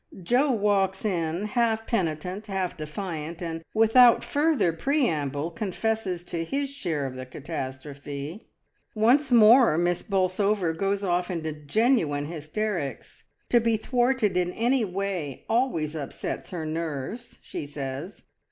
Jo walks in, half penitent, half defiant, and without further preamble confesses to his share of the catastrophe. Once more Miss Bolsover goes off into genuine hysterics; to be thwarted in any way always upsets her nerves, she says.